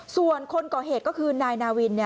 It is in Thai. ส่วนคนก่อเหตุก็คือนายนาวิน